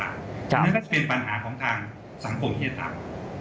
อันนั้นก็เป็นปัญหาของทางสังคมที่จะตาม